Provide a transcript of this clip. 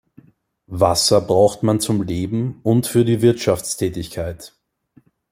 Wasser braucht man zum Leben und für die Wirtschaftstätigkeit.